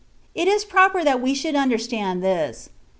It is proper that we should understand i;his.